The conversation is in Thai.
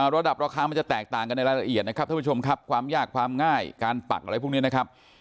ราคามันจะแตกต่างกันในรายละเอียดนะครับท่านผู้ชมครับความยากความง่ายการปักอะไรพวกนี้นะครับ